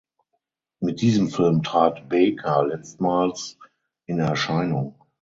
Mit diesem Film trat Baker letztmals in Erscheinung.